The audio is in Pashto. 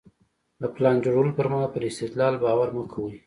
د پلان جوړولو پر مهال پر استدلال باور مه کوئ.